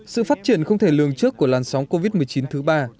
sự phát triển không thể lường trước của làn sóng covid một mươi chín thứ ba